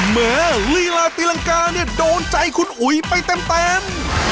ลีลาตีรังกาเนี่ยโดนใจคุณอุ๋ยไปเต็ม